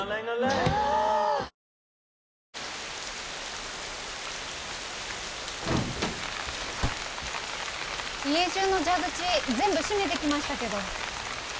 ぷはーっ家じゅうの蛇口全部閉めてきましたけど